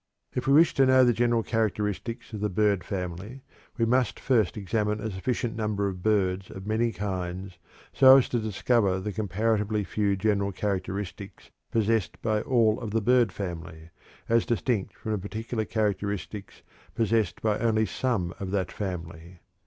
If we wish to know the general characteristics of the bird family, we must first examine a sufficient number of birds of many kinds so as to discover the comparatively few general characteristics possessed by all of the bird family, as distinct from the particular characteristics possessed by only some of that family.